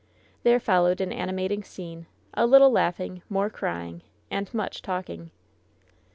There followed an animating scene — ^a little laugh ing, more crying and much talking.